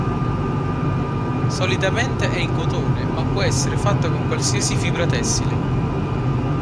Solitamente è in cotone ma può essere fatta con qualsiasi fibra tessile.